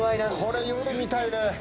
これ夜見たいね。